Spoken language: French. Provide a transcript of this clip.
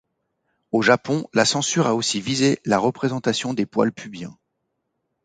Au Japon, la censure a aussi visé la représentation des poils pubiens.